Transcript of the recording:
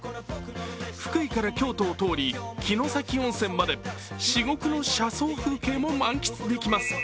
福井から京都を通り、城崎温泉まで至極の車窓風景も満喫できます。